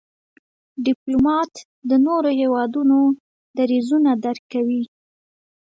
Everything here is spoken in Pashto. ډيپلومات د نورو هېوادونو دریځونه درک کوي.